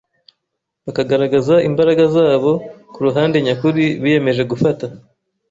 bakagaragaza imbaraga zabo ku ruhande nyakuri biyemeje gufata.